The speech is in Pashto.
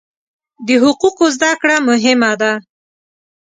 د حقوقو زده کړه مهمه ده.